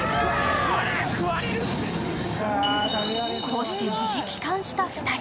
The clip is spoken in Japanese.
こうして無事帰還した２人